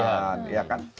ya ada ketagihan